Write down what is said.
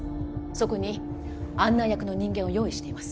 そこに案内役の人間を用意しています